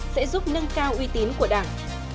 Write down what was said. sẽ giúp nâng cao uy tín của đảng